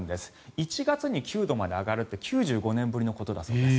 １月に９度まで上がるって９５年ぶりのことだそうです。